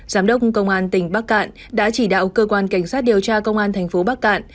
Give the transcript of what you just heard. giám đốc công an tỉnh bắc cạn đã chỉ đạo cơ quan cảnh sát điều tra công an thành phố bắc cạn